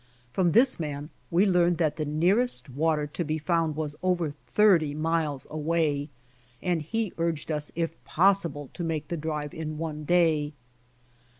From this man we learned that the nearest water to be found was over thirty miles away, and he urged us if possible to make the drive in one day.